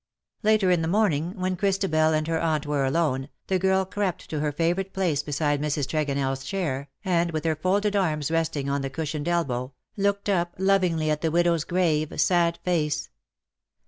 Later in the morning, when Christabel and her aunt were alone, the girl crept to her favourite place beside Mrs. Tregonell's chair, and with her folded arms resting on the cushioned elbow, looked up lovingly at the widow's grave, sad face.